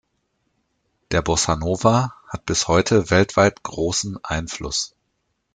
Der Bossa Nova hat bis heute weltweit großen Einfluss.